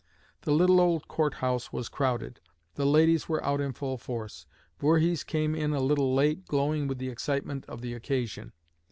The little old court house was crowded. The ladies were out in full force. Voorhees came in a little late, glowing with the excitement of the occasion.